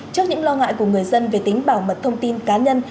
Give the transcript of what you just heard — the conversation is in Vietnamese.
trước những lo ngại của người dân về tính bảo mật thông tin cá nhân